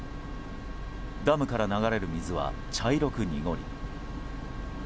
ダムから流れる水は茶色く濁り。